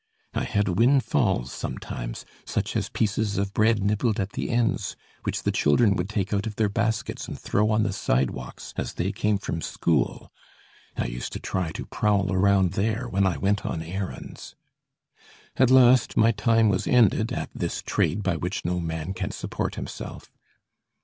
I had windfalls sometimes, such as pieces of bread nibbled at the ends, which the children would take out of their baskets and throw on the sidewalks as they came from school. I used to try to prowl around there when I went on errands. At last my time was ended at this trade by which no man can support himself.